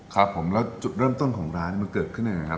ครับผมแล้วจุดเริ่มต้นของร้านมันเกิดขึ้นยังไงครับ